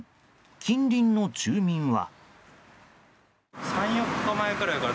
近隣の住民は。